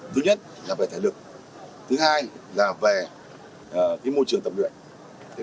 thứ nhất là về thể lực thứ hai là về môi trường tập luyện